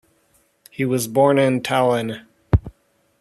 He was born in Tallinn.